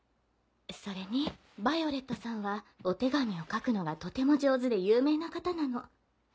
それにヴァイオレットさんはお手紙を書くのがとても上手で有名な方なの。